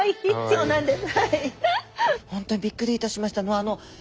そうなんです。